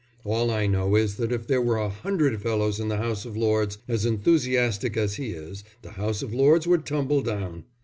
All I know is that if there were a hundred fellows in the House of Lords as enthusiastic as he is, the House of Lords would tumble down.